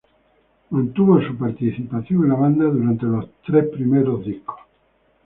Mantuvo su participación en la banda durante los tres primeros discos.